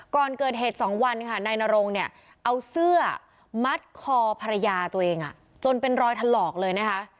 ก่อนเกิดเหตุ๒วันค่ะนายนรงเนี่ยเอาเสื้อมัดคอภรรยาตัวเองจนเป็นรอยถลอกเลยนะคะ